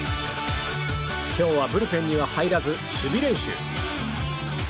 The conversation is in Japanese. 今日はブルペンには入らず守備練習。